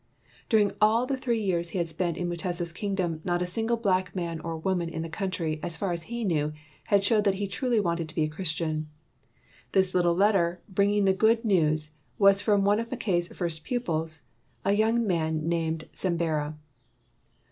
During all the three years he had spent in Mutesa's kingdom, not a single black man or woman in the country, as far as he knew, had showed that he truly wanted to be a Chris tian. This little letter bringing the good news was from one of Mackay 's first pupils, a young man named Sembera.